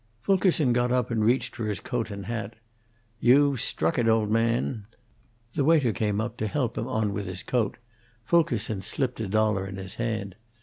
Fulkerson got up and reached for his coat and hat. "You've struck it, old man." The waiter came up to help him on with his coat; Fulkerson slipped a dollar in his hand.